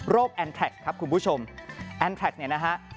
โรคแอนทรัคครับคุณผู้ชมแอนทรัคเนี่ยนะฮะ